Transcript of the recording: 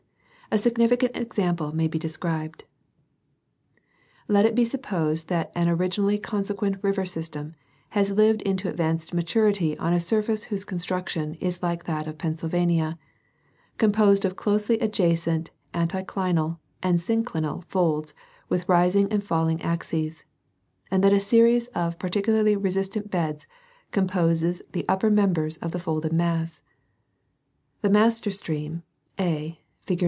A significant example may be described. Let it be supposed that an originally consequent river system has lived into advanced maturity on a surface whose structure is, like that of Pennsylvania, composed of closely adjacent anticlinal and synclinal folds with rising and falling axes, and that a series of particularly resistant beds composes the upper members of the folded mass. The master stream. A, fig.